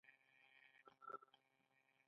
ایا زما غاښ مینځل غواړي؟